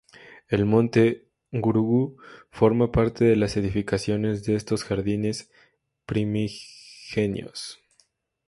El monte Gurugú forma parte de las edificaciones de estos jardines primigenios.